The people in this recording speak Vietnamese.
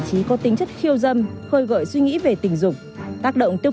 cái ý thức cho người dân và có